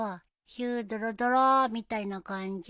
ヒュードロドロみたいな感じ？